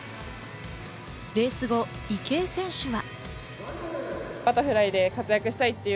レース後、池江選手は。